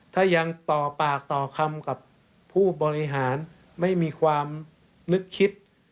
ถ้ายังต่อปากต่อคำกับผู้บริหารไม่มีความนึกคิด